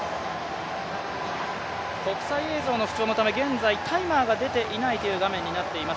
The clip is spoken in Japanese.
国際映像の不調のため現在タイマーが出ていない映像になっています。